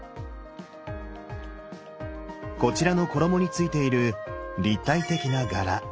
こちらの衣についている立体的な柄。